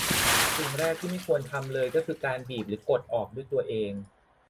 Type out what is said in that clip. สิ่งแรกที่ไม่ควรทำเลยก็คือการบีบ หรือกดออกด้วยตัวเอง